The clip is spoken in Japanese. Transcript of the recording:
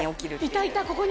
いたいた。